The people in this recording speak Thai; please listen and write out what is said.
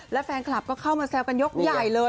และแฟนคลับก็เข้ามาแซวกันยกใหญ่เลย